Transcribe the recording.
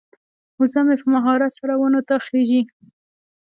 وزه مې په مهارت سره ونو ته خیژي.